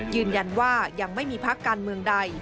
ยืนยันว่ายังไม่มีพักการเมืองใด